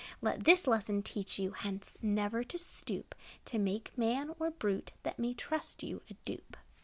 Let this lesson teach you, Hence never to stoop To make man, or brute, That may trust you, a dupe.